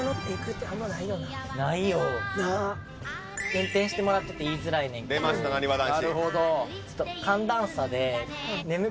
運転してもらってて言いづらいねんけどちょっと。